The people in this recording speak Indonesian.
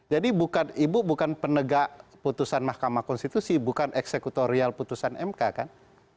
jadi ibu bukan penegak putusan mahkamah konstitusi bukan eksekutorial putusan mk kan